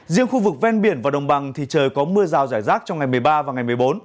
riêng khu vực ven biển và đồng bằng thì trời có mưa rào rải rác trong ngày một mươi ba và ngày một mươi bốn